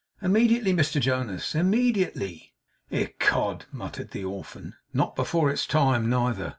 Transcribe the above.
'Immediately, Mr Jonas. Immediately.' 'Ecod,' muttered the orphan, 'not before it's time neither.